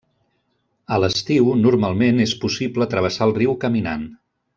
A l'estiu, normalment és possible travessar el riu caminant.